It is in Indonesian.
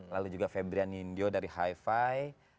lalu juga febrian nindyo dari hi fi